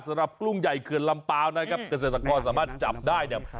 สำหรับกุ้งใหญ่เกินลำเปร้านแน่ครับเกษตรกรสามารถจับได้เนี่ย